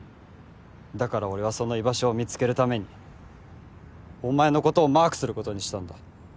だから俺はその居場所を見つけるためにお前のことをマークすることにしたんだ。